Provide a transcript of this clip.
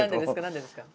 何でですか？